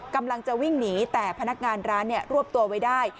กำลังจะวิ่งหนีแต่พนักงานร้านรวบตัวไว้ได้